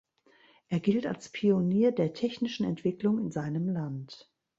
Er gilt als Pionier der technischen Entwicklung in seinem Land.